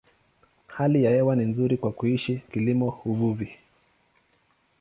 Hali ya hewa ni nzuri kwa kuishi, kilimo, uvuvi.